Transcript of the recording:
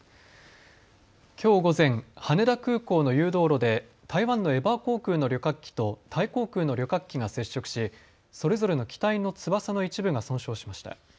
きょう午前、羽田空港の誘導路で台湾のエバー航空の旅客機とタイ航空の旅客機が接触しそれぞれの機体の翼の一部が損傷しました。